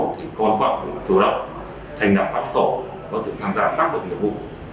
thì công an quận chủ động thành đặt các tổ có thể tham gia các biện pháp nghiệp vụ